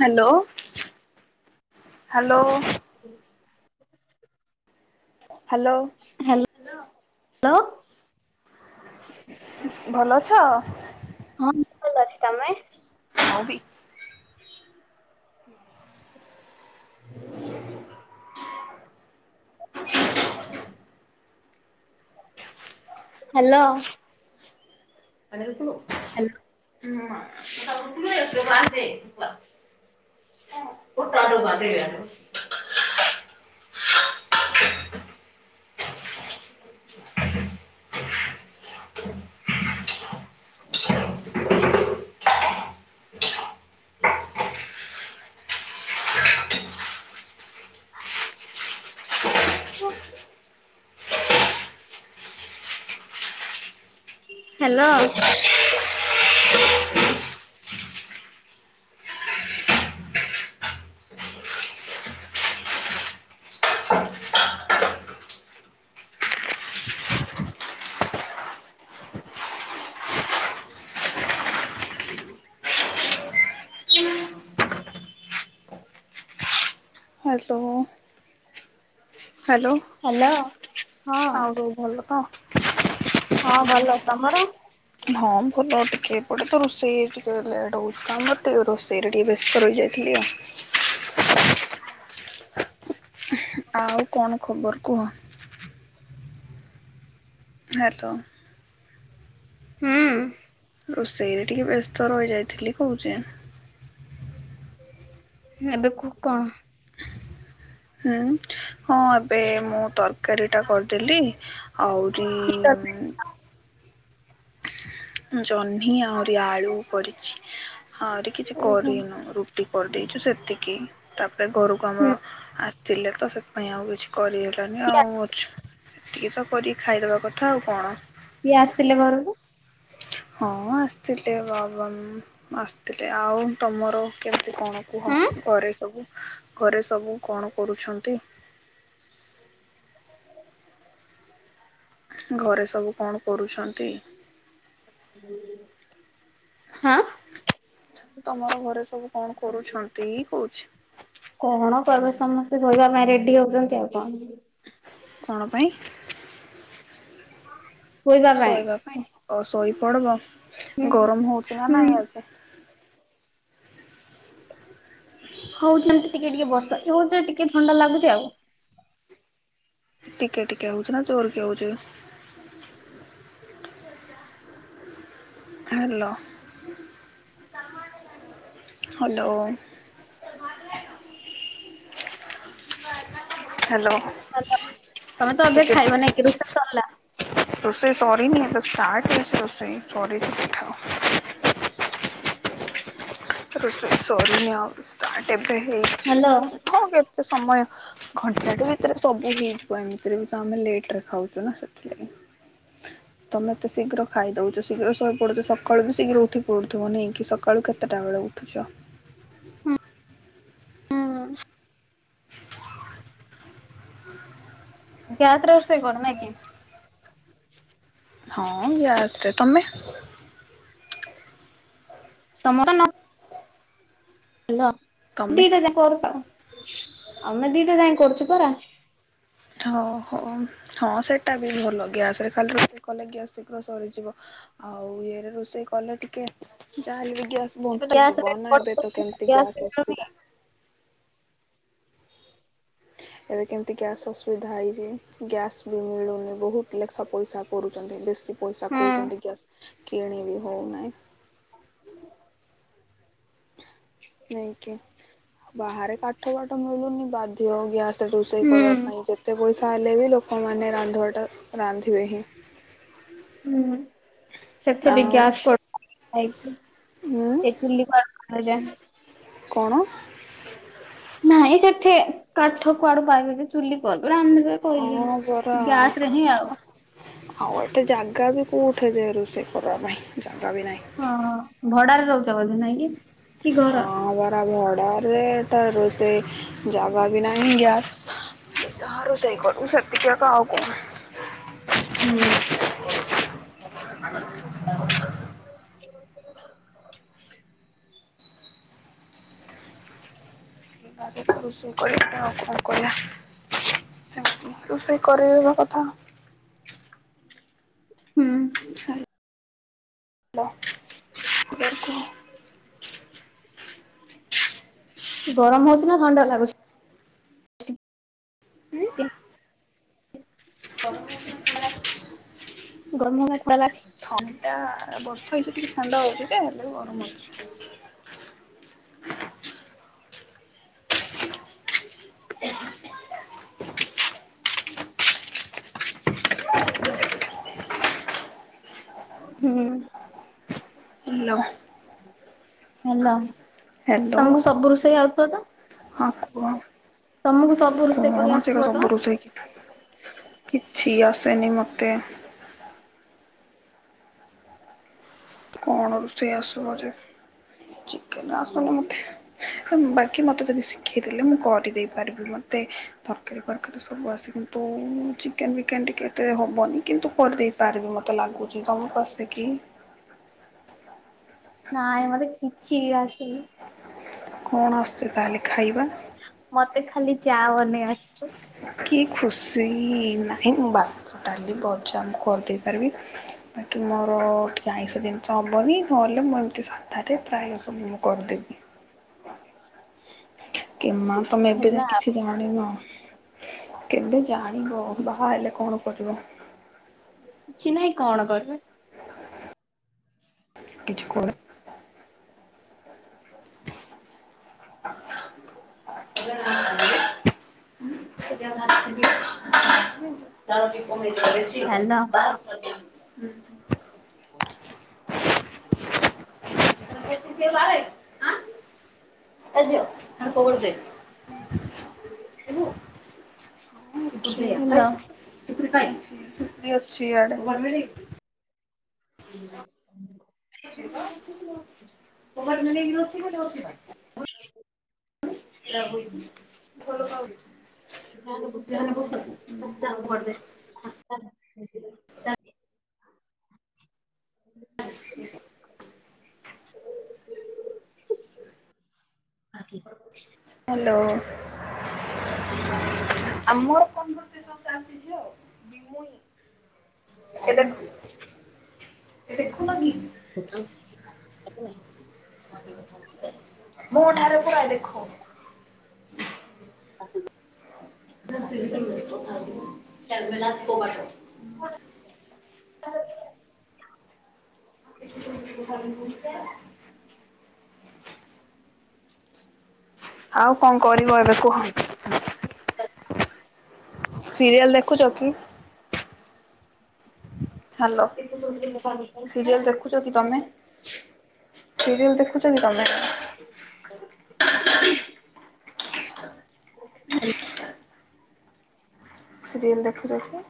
Hello hello ହୁଁ hello hello ଲୋ - ଭଲ ଅଛ। ହଁ। ମୁଁ ଭଲ ଅଛ ତମେ? ହଁ ବି [unintelligible] ହ୍ୟାଲୋ। [unintelligible] ହ୍ୟାଲୋ। ହୁଁ ବା [unintelligible] [unintelligible] ହଁ ହାଲୋ। [inaudible] [inaudible] [inaudible] ହ୍ୟାଲୋ ହ୍ୟାଲୋ ହଁ। ଆଉ ସବୁ ଭଲ ତ? ହଁ ଭଲ। ତମର? ହଁ ଭଲ ଅଟେ। ଏପଟେ ତ ରୋଷେଇ ହେଇଚି [unintelligible] ଟିକେ ଲେଟ୍ ହୋଉଚି। ଆମର ଟିକେ ରୋଷେଇରେ ଟିକେ ବ୍ୟସ୍ତ ରହିଯାଇଥିଲି। ଆଉ। [unintelligible] ଆଉ କଣ ଖବର କୁହ? ହ୍ୟାଲୋ। ହୁଁ। ରୋଷେଇରେ ଟିକେ ବ୍ୟସ୍ତ ରହିଯାଇଥିଲି କୋହୁଚେଁ। [unintelligible] ହୁଁ ହଁ ଏବେ ମୁଁ ତରକାରୀଟା କରିଦେଲି। ଆହୁରି ଜହ୍ନି ଆହୁରି ଆଳୁ କରିଚି। ହଁ ରେ କିଛି ଓହୋ। କରିନୁ ରୁଟି। କରିଦେଇଛୁ ସେତିି। କି ତାପରେ ଘରୁକୁ ଆମର ହୁଁ ଆ ଥିଲେ ତ ସେଥିପାଇଁ ଆଉ କିଛି କରିହଲାନି ଆଉ ଅଛ ଏତିକି ତ କରିକି ଖାଇଦେବା କଥା ଆଉ କଣ। କିଏ ଆସିଥିଲେ ଘରକୁ ହଁ ଆସିଥିଲେେ ବାବା ଆସିଥିଲେେ ଆଉ ତମର କେମତି? କଣ କୁହ ହୁଁ ଘରେ ସବୁ? ଘରେ ସବୁ କଣ କରୁଛନ୍ତି? ଘରେ ସବୁ କଣ କରୁଛନ୍ତି? ହଁ। ତମର ଘରେ ସବୁ କଣ କରୁଛନ୍ତି କହୁ ଅଛି। କଣ କରିବେ ସମସ୍ତେ ଶୋଇବା ପାଇଁ ରେଡି ହଉଛନ୍ତି ଆଉ କଣ କଣ ପାଇଁ ଶୋଇବା ପାଇଁ। ଓ ଶୋଇ ପଡ଼ିବ। ଗରମ ହଉଛି ନା ହୁଁ ନାଇ ଏବେ। ହଉଛନ୍ତି ଟିକେ ଟିକେ ବର୍ଷା ଏ ହଉଛି ଟିକେ ଥଣ୍ଡା ଲାଗୁଛି ଆଉ ଟିକେ ଟିକେ ହଉଛି ନା ଜୋର କି ହଉଛି। Hello hello. ହାଲୋ। ତମେ ତ ଏବେ ଖାଇବନି ରୋଷେଇ ସରିଲା। ରୋସେଇ ସରିନି, ଏବେ ଷ୍ଟାର୍ଟ କରିଛି [inaudible] ଏବେ ରୋସେଇ, ରୋସେଇ ସରିନି ସରି ନଉଟ। ହେଇଛି ହ୍ୟାଲୋ। ହଁ କେତେ ସମୟ। ଘଣ୍ଟାଟେ ଭିତରେ ସବୁ ହେଇଯିବ ଏମିତିରେ ବି ତ ଆମେ ଲେଟ ରେ ଖାଉଛୁ ନା ସେଥିଲାଗି। ତମେ ଏତେ ଶୀଘ୍ର ଖାଇଦଉଛ ଶୀଘ୍ର ଶୋଇପଡୁଛ ସକାଳୁ ବି ଶୀଘ୍ର ଉଠି ପଡୁଥିବ ନେଇକି ସକାଳୁ କେତେଟା ବେଳେ ଉଠ ଉଠୁଛ। ଯାାତ୍ରା ବର୍ଷ ହେ କରଡନା କିି। ହଁ ଗ୍ୟାସରେ ତମେ ସମ ନ। ହାଲୋ। ତମେ ଠିକ ଅଛି କରୁଥାଅ ଆମେ ଦିଟା ଯାାଇ କରୁଛୁ ପରା ହଁ ହୋ ହଁ ସେଇଟା ବି ଭଲ ଗ୍ୟାସରେ ଖାଲି ରୋଷେଇ କଲେ ଗ୍ୟାସ ଶୀଘ୍ର ସରିଯିବ ଆଉ ଇଏରେ ରୋଷେଇ କଲେ ଟିକେ ଯାହାଲେ ଗ୍ୟାସ୍ ଏବେ ଗ୍ୟାସ ବଞ୍ଚିଯିବ ରେଟ୍ ନା ଏବେ ତ ବଢି କେମିତି ଗ୍ୟାସ ଗ୍ୟାସ୍ ବି ମିଳୁନି। ଅସୁବିଧା ଏବେ କେମିତି ଗ୍ୟାସ୍ ଅସୁବିଧା ହେଇଛି ଗ୍ୟାସ ବି ମିଳୁନି ବହୁତ ଲେଖା ପଇସା କରୁଛନ୍ତି ବେଶୀ ପଇସା ହୁଁ କହୁଛନ୍ତି ଗ୍ୟାସ୍ କିଣି ବି ହଉନାହିଁ ହ। ନେଇକି ବାହାରେ କାଠ ବାଠ ମିଳୁନି ବାଧ୍ୟ ଗ୍ୟାସ୍ ରୋଷେଇ କରିବା ହୁଁ ପାଇଁ ଯେତେ ପଇସ ତା ହେଲେ ବି ଲୋକମାନେ ରାନ୍ଧିବାଟା ରାନ୍ଧିବେ ହିଁ। ହୁଁ। ସେଥିଟି ଗ୍ୟାସ୍ ଆଉ କ୍ ଆଇଗ୍ ଉଁ ଏ ଚଲିକା [inaudible] ଯାଏଁ। କଣ? ନାଇଁ ସେଠେ କାଠ କୁଆଡୁ ପାଇବେ ଯେ ଚୁଲି କଲ୍ ହଁ ପରା ଆଉ ରେ ହିଁ ଆଉ କାଠ ଆଉ ଗୋଟେ ଜାଗା ବି କେଉଁଠେ ଯେ ରୋଷେଇ କରିବା ପାଇଁ। ଜାଗା ବି ନାହିଁ। ହଁ ଭଡାରେ ରୋହୁଚ ବଧେ ନାଇଁ କି? କି ଘର ହଁ ପରା ଭଡ଼ା। ସେଟା ରୋଷେଇ ଜାଗା ବି ନାହିଁ ଗ୍ୟାସ ଯାହା ରୋଷେଇ କରିବୁ ସେତିକି ଏକା ଆଉ କଣ। ହୁଁ। ରୋଷେଇ କରିବା ଆଉ କଣ କରିବା ସେମିତି ରୋଷେଇ କରି ଦବା କଥା। ହୁଁ। ଦେଖା ଲା [inaudible] ଗରମ ହୋଉଚି ନା ଥଣ୍ଡା ଲାଗୁଚି ସେଠି? ଉଁ? [unintelligible] ଗରମ ଭାତ ଥଣ୍ଡା ବର୍ଷା ହୋଇଚି ଟିକେ ଥଣ୍ଡା ହୋଉଚି ହେଲେ ଗରମ ହୋଉଛି। ହୁଁ। ଲୋ। ହାଲୋ। ହ୍ୟାଲୋ ତମକୁ ସବୁ ରୋଷେଇ ଆଉଥିବ ତ? ହଁ କୁହ? ତମକୁ ସବୁ ରୋଷେଇ କଣ କରି ଅଛି ଏକା ଆସୁଥିବ ତ? ସବୁ ରୁଷେଇକ କିଛି ଆସେନି ମତେ। କଣ ରୋଷେଇ ଆସିବ ଯେ ଚିକେନ ଆସୁନି ମତେ ବାକି ମତେ ଯଦି ଶିଖେଇଦେଲେ ମୁଁ କରିଦେଇ ପାରିବି ମତେ ତରକାରୀ ଫରକାରୀ ସବୁ ଆସେ କିନ୍ତୁ ଚିକେନ ଫିକେନ ଟିକେ ଏତେ ହବନି କିନ୍ତୁ କରିଦେଇ ପାରିବି ମତେ ଲାଗୁଚି। ତମକୁ ଆସେ କି? ନାଇଁ ମତେ କିଛି ବି ଆସନି। କଣ ଆସୁଚି ତାହେଲେ ଖାଇବା? ମତେ ଖାଲି ଚା ବନେଇ ଆସଚି। କି ଖୁସି ନାହିଁ ମୁଁ ଭାତ ଡାଲି ଭଜା ମୁଁ କରି ଦେଇପାରିବି। ବାକି ମୋର ଟିକେ ଆଇଁଶ ଦିନ ଚବନି ନହେଲେ ମୁଁ ଏମିତି ସାଧାରେ ପ୍ରାୟ ସବୁ ମୁଁ କରିଦେବି। [inaudible] ଇ ମା ତମେ ଏବେ ହେଲା ଆଉ କିଛି ଜାଣିନ। କେବେ ଜାଣିବ ବାହା ହେଲେ କଣ କରିବ। କିଛି ନାଇଁ କଣ କରିବି। କିଛିୁ କ [inaudible] [unintelligible] [unintelligible] ତା ହ୍ୟାଲୋ [inaudible] ହୁଁ। [unintelligible] ପଚି ସେ [inaudible] ଏ ଝିଅ [inaudible] ଯିବୁ? ହ୍ୟାଲୋ। [unintelligible] [unintelligible] ସିଆଡେ। [unintelligible] [unintelligible] ରହୁ। [unintelligible] [unintelligible] ଯାହାନେବୁ କହିଦେ ଜାକରି। [inaudible] [unintelligible] ବାକି। ହ୍ୟାଲୋ। ଆମର କନଭରସେସନ ଚାଲିଛି ଝିଅ [unintelligible] ଏଟା କ ଏ ଦେଖୁନ କି? ବେକାର ମୋଁ ଠାରେ ପୂରା ଦେଖ। [unintelligible] [unintelligible] ସର୍ବେଲାଜ [unintelligible] [unintelligible] [unintelligible] ଆଉ କଣ କରିବ ଏବେ କୁହ? ସିରିଏଲ ଦେଖୁଛ କି? ହ୍ୟାଲୋ ଜିନିଷ ସିରିଏଲ ଦେଖୁଚ କି ତମେ? ସିରିଏଲ ଦେଖୁଚ କି ତମେ? ହାଲୋ। ସିରିଏଲ ଦେଖୁଚ କି?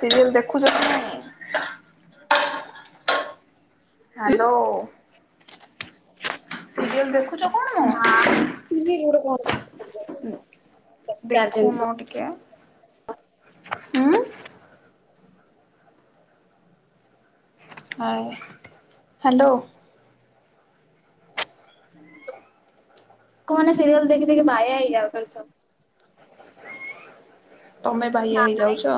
ସିରିଏଲ ଦେଖୁଚ କି ନାହିଁ? ହାଲୋ। ସିରିଏଲ ଦେଖୁ ନାଁ [inaudible] ବେକାର ଦେଖୁନ ଜିନିଷ ଟିକେ ଉଁ? ହାଲୋ। ଲୋକ ମାନେ ସିରିୟଲ ଦେଖି ଦେଖି ବାୟା ହେଇଯାଉାଛନ୍ତି ସବୁ। ତମେ ନା ବାଇଆ ହେଇଯାଉଛ?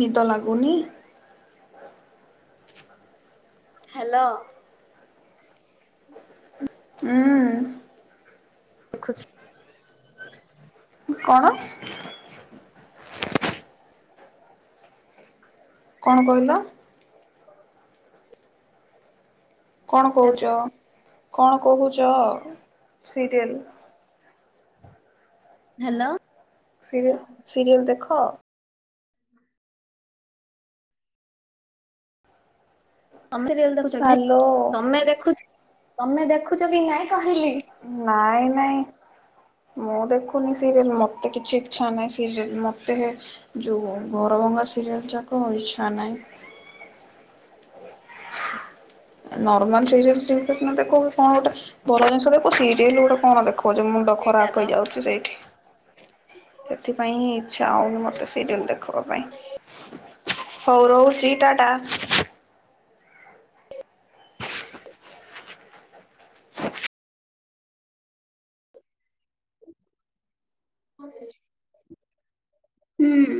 ନିଦ ଲାଗୁନି? ହାଲୋ। ଉଁ ଦେଖୁଛି। କଣ? କଣ କହିଲ? କଣ କୋହୁଚ? କଣ କୋହୁଚ? Serial hello. ସିରିଏ ସିରିଏଲ୍ ଦେଖ? ତମେ ରିଅଲ୍ ଦେଖୁଛ କି? ହ୍ୟାଲୋ ତମେ ଦେଖୁଛ? ତମେ ଦେଖୁଛ କି ନାଇଁ? କହିଲି ନାଇଁ। ନାଇଁ ମୁଁ ଦେଖୁନି ସିରିଏଲ ମତେ କିଛି ଇଚ୍ଛା ନାହିଁ। ସିରିଲ ମତେ ଯୋଉ ଘର ଭଙ୍ଗା ସିରିଏଲ ଯାକ ଇଚ୍ଛା ନାହିଁ। ନର୍ମାଲ୍ସିରିଏଲ୍ ରେ କୃଷ୍ଣ ତାକୁ କଣ ଗୋଟେ ଭଲ ଜିନିଷ ଦେଖୁ ସେଇ ଟି ରୁ ଗୋଟେ କଣ ଦେଖଉଛି ମୁଣ୍ଡ ସେଇଟା ତ ଖରାପ ହେଇଯାଉଛି ସେଇଠି ସେଥିପାଇଁ ହିଁ ଇଛା ହଉନି ମତେ ସିରିଏଲ ଦେଖବା ପାଇଁ ହଉ ରହୁଛି ଟା ଟା। ହୁଁ।